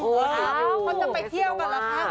โหมันจะไปเที่ยวกันแล้วไง